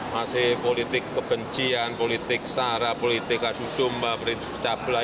masih politik kebencian politik sara politik adu domba pecah belah